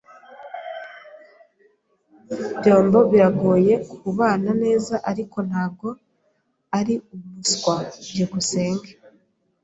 byambo biragoye kubana neza, ariko ntabwo ari umuswa. Byukusenge